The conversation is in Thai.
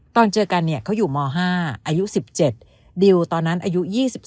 ตอนเจอกันเขาอยู่ม๕อายุ๑๗ดิวตอนนั้นอายุ๒๒